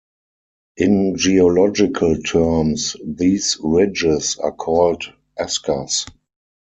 In geological terms, these ridges are called eskers.